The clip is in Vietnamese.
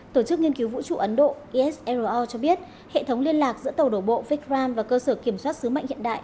tổ chức nghiên cứu vũ trụ ấn độ esro cho biết hệ thống liên lạc giữa tàu đổ bộ vikram và cơ sở kiểm soát sứ mệnh hiện đại